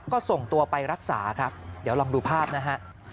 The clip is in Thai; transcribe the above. ก็ส่งตัวไปรักษาครับเดี๋ยวลองดูภาพนะฮะ